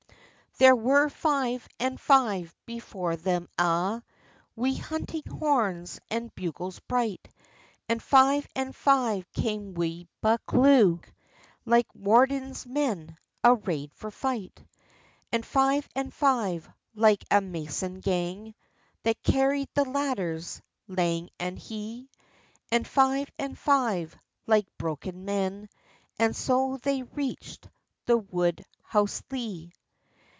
There were five and five before them a', Wi hunting horns and bugles bright; And five and five came wi Buccleuch, Like Warden's men, arrayed for fight. And five and five, like a mason gang, That carried the ladders lang and hie; And five and five, like broken men; And so they reached the Woodhouselee.